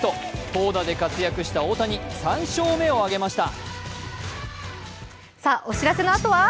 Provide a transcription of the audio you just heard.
投打で活躍した大谷、３勝目を挙げました。